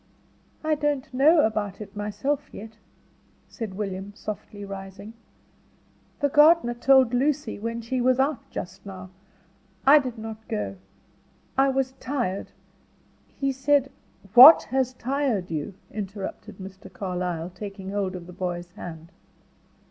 "I don't know about it myself yet," said William, softly rising. "The gardener told Lucy when she was out just now: I did not go; I was tired. He said " "What has tired you?" interrupted Mr. Carlyle, taking hold of the boy's hand.